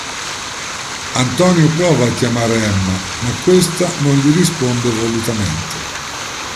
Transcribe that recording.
Antonio prova a chiamare Emma, ma questa non gli risponde volutamente.